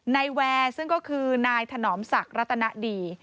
แวร์ซึ่งก็คือนายถนอมศักดิ์รัตนดี